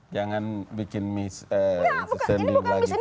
jangan bikin miss eh sesending lagi ke publik